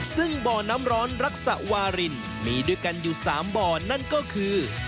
ซึ่งบ่อน้ำร้อนรักษะวารินมีด้วยกันอยู่๓บ่อนั่นก็คือ